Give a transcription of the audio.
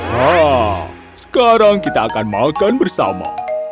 wow sekarang kita akan makan bersama